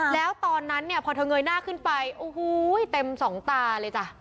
แล้วตอนนั้นเนี่ยพอเธอเงยหน้าขึ้นไปโอ้โหเต็มสองตาเลยจ้ะ